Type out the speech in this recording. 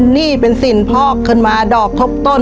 ชีวิตหนูเกิดมาเนี่ยอยู่กับดิน